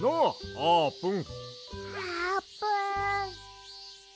あーぷん。